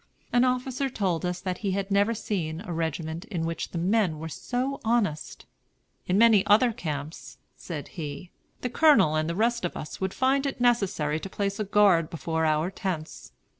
An officer told us that he had never seen a regiment in which the men were so honest. "In many other camps," said he, "the Colonel and the rest of us would find it necessary to place a guard before our tents.